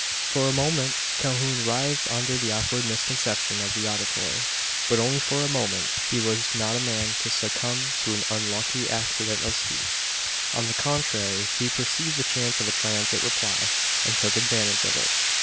For a moment Calhoun writhed under the awkward misconception of the auditory; but only for a moment. He was not the man to succumb to an unlucky accident of speech. On the contrary, he perceived the chance of a triumphant reply; and took advantage of it.